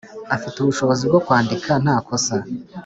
– afite ubushobozi bwo kwandika nta kosa,